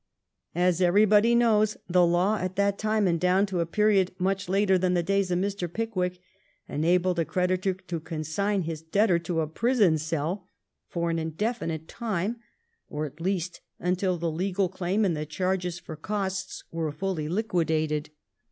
As everybody knows, the law at that time, and down to a period much later than the days of Mr. Pickwick, enabled a creditor to consign his debtor to a prison cell for an indefinite time, or at least until the legal claim and the charges for costs were fully liquidated.